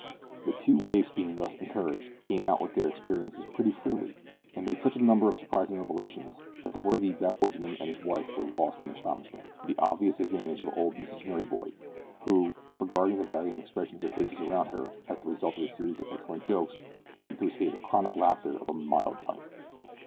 The two waifs, being thus encouraged, came out with their experiences pretty freely, and made such a number of surprising revelations, that the worthy backwoodsman and his wife were lost in astonishment, to the obvious advantage of old Mrs Merryboy, who, regarding the varying expressions of face around her as the result of a series of excellent jokes, went into a state of chronic laughter of a mild type.